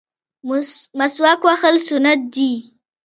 مسواک وهل سنت دي